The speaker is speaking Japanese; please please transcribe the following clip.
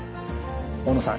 大野さん